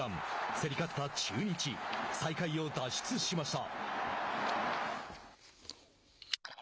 競り勝った中日、最下位を脱出しました。